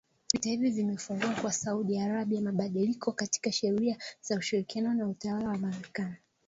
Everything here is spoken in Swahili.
Vita hivi vimefungua kwa Saudi Arabia mabadiliko katika sheria za ushirikiano na utawala wa Marekani.